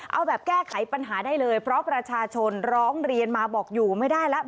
เอาแบบแก้ไขปัญหาได้เลยเพราะประชาชนร้องเรียนมาบอกอยู่ไม่ได้แล้ว